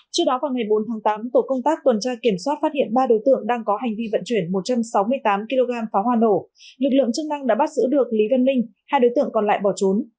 trước đó vào ngày bốn tháng tám tổ công tác tuần tra kiểm soát phát hiện ba đối tượng đang có hành vi vận chuyển một trăm sáu mươi tám kg pháo hoa nổ lực lượng chức năng đã bắt giữ được lý văn minh hai đối tượng còn lại bỏ trốn